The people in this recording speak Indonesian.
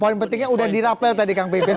poin pentingnya sudah di rapel tadi kang bipin